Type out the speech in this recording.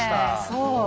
そう。